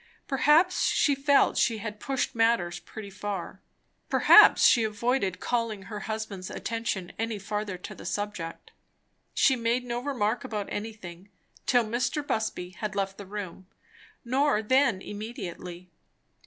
Perhaps she felt she had pushed matters pretty far; perhaps she avoided calling her husband's attention any further to the subject. She made no remark about anything, till Mr. Busby had left the room; nor then immediately.